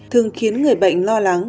thường khiến người bệnh lo lắng